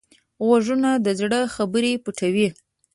غوږونه د زړه خبرې پټوي